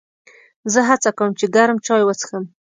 زه هڅه کوم چې ګرم چای وڅښم.